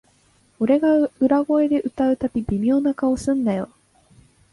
俺が裏声で歌うたび、微妙な顔すんなよ